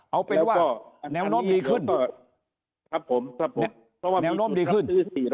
เอาเป็นว่าแนวโน้มดีขึ้น